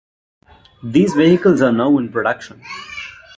These vehicles are now in production.